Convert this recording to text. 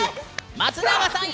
松永さん